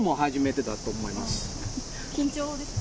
緊張ですか？